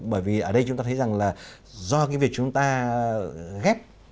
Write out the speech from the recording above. bởi vì ở đây chúng ta thấy rằng là do cái việc chúng ta ghép